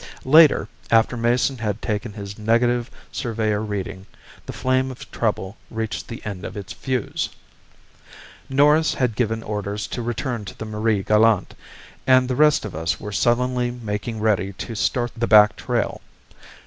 Later, after Mason had taken his negative surveyor reading, the flame of trouble reached the end of its fuse! Norris had given orders to return to the Marie Galante, and the rest of us were sullenly making ready to start the back trail.